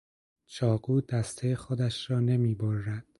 چاقو دستهٔ خودش را نمیبرد.